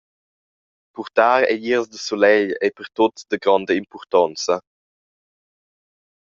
Purtar egliers da sulegl ei per tuts da gronda impurtonza.